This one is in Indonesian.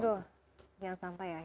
aduh yang sampai ya